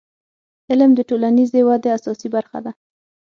• علم د ټولنیزې ودې اساسي برخه ده.